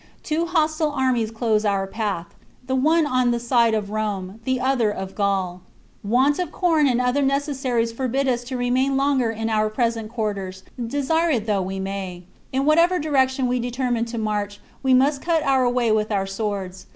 Two hostile armies close our path, the one on the side of Rome, the other of Gaul. Want of corn and other neces saries forbid us to remain longer in our present quar THE CONSPIRACY OF CATILINE. 59 ters, desire it though we may. In whatever direction chap. we determine to march, we must cut our way with our swords.